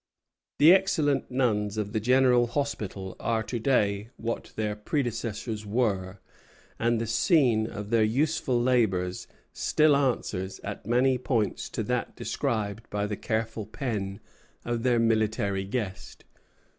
The excellent nuns of the General Hospital are to day what their predecessors were, and the scene of their useful labors still answers at many points to that described by the careful pen of their military guest.